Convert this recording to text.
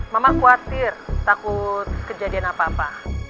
mama khawatir takut kejadian apa apa